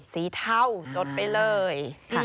เทาจดไปเลย